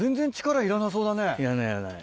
いらないいらない。